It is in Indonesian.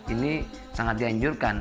ini sangat dianjurkan